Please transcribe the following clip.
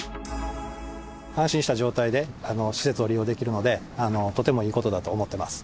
安心した状態で施設を利用できるので、とてもいいことだと思ってます。